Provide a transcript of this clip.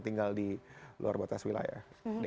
tinggal di luar batas wilayah